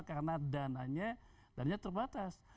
karena dananya terbatas